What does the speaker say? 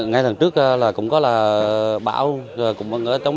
ngày tháng trước cũng có bão cũng có ngỡ chống